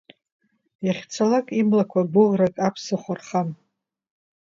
Иахьцалак иблақәа гәыӷрак аԥсахәа рхан.